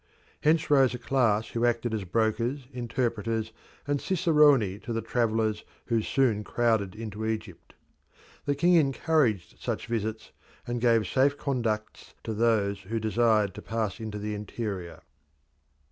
Hence rose a class who acted as brokers, interpreters, and ciceroni to the travellers who soon crowded into Egypt. The king encouraged such visits, and gave safe conducts to those who desired to pass into the interior.